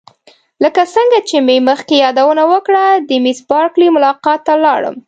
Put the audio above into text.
لکه څنګه چې مې مخکې یادونه وکړه د میس بارکلي ملاقات ته ولاړم.